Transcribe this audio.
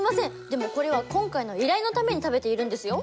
でもこれは今回の依頼のために食べているんですよ。